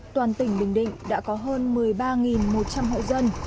toàn tỉnh bình định đã có hơn một mươi ba một trăm linh hộ dân